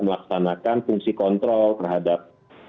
melaksanakan fungsi kontrol terhadap